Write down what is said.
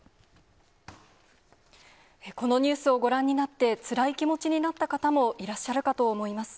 このニュースをご覧になって、つらい気持ちになった方もいらっしゃるかと思います。